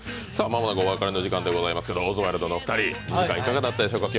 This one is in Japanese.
間もなくお別れの時間ですがオズワルドのお二人、いかがだったでしょうか。